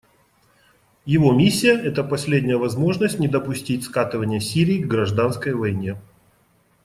Его миссия — это последняя возможность не допустить скатывания Сирии к гражданской войне.